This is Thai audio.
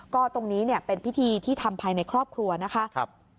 ก็ตรงนี้เนี่ยเป็นพิธีที่ทำภายในครอบครัวนะคะ